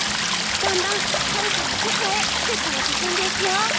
だんだん春から初夏へ季節も進んでいくよ。